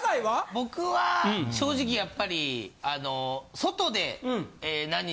僕は正直やっぱり。